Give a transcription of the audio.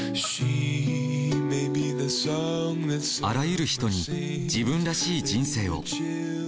あらゆる人に自分らしい人生を。